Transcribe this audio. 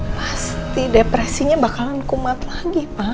pasti depresinya bakalan kumat lagi pak